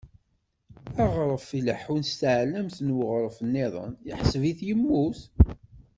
Aɣref ileḥḥun s tɛellamt n weɣref-iḍen, ḥseb-it yemmut.